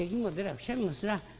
くしゃみもすらあ。